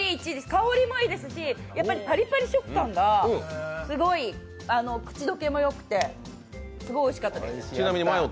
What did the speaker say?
香りもいいですし、パリパリ食感が、すごい口どけもよくて、すごいおいしかったです。